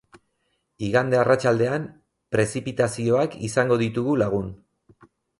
Igande arratsaldean prezipitazioak izango ditugu lagun.